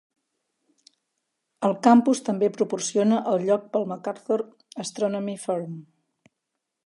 El campus també proporciona el lloc pel Macarthur Astronomy Forum.